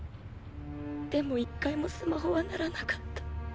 でも１回もスマホは鳴らなかった。